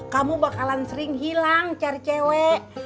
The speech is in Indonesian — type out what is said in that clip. kamu bakalan sering hilang cari cewek